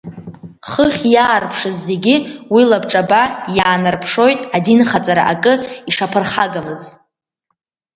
Хыхь иаарԥшыз зегьы уи лабҿаба иаанарԥшоит адинхаҵара акы ишаԥырхагамз.